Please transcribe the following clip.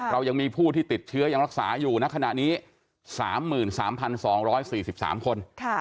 เรายังมีผู้ที่ติดเชื้อยังรักษาอยู่ในขณะนี้๓๓๒๔๓คน